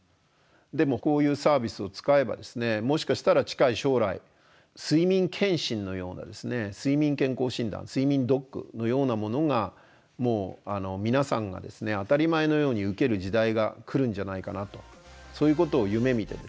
でもこういうサービスを使えばですねもしかしたら近い将来睡眠健診のようなですね睡眠健康診断睡眠ドックのようなものがもう皆さんがですね当たり前のように受ける時代が来るんじゃないかなとそういうことを夢みてですね